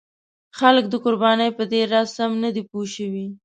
خلک د قربانۍ په دې راز سم نه دي پوه شوي.